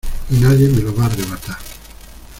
Y nadie me lo va a arrebatar.